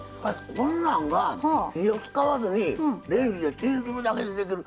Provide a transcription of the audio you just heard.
こんなんが火を使わずにレンジでチンするだけでできる。